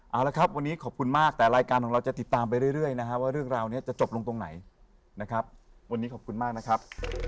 เอาละครับวันนี้ขอบคุณมากแต่รายการของเราจะติดตามไปเรื่อยนะฮะว่าเรื่องราวนี้จะจบลงตรงไหนนะครับวันนี้ขอบคุณมากนะครับ